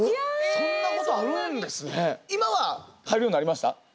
そんなことあるんですね。